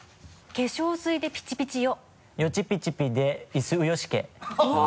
「化粧水でピチピチよ」